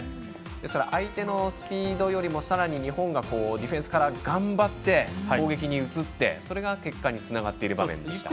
相手のスピードよりも日本がディフェンスから頑張って攻撃に移って、それが結果につながっている場面でした。